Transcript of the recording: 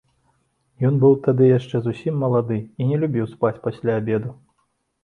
Ён быў тады яшчэ зусім малады і не любіў спаць пасля абеду.